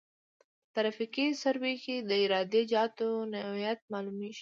په ترافیکي سروې کې د عراده جاتو نوعیت معلومیږي